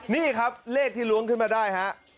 นี่ครับเลขที่ล้วงขึ้นมาได้ฮะ